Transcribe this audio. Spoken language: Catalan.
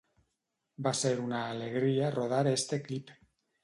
Va ser una alegria rodar este clip.